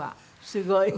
すごい。